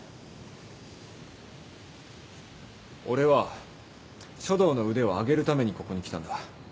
俺は書道の腕を上げるためにここに来たんだ。